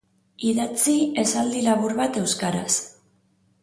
Idatzi esaldi labur bat euskaraz